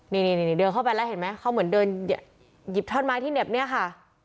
นี่เดินเข้าไปแล้วเห็นไหมเขาเหมือนเดินหยิบท่อนไม้ที่เหน็บเนี่ยค่ะ